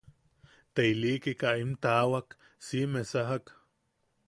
Te ilikika im taawak, Siʼime sajak.